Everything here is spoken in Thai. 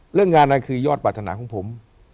เรื่องงานนั้นคือยอดปรารถนาของผม